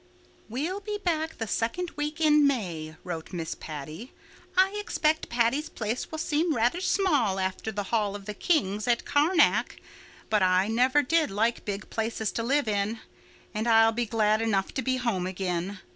"We'll be back the second week in May" wrote Miss Patty. "I expect Patty's Place will seem rather small after the Hall of the Kings at Karnak, but I never did like big places to live in. And I'll be glad enough to be home again.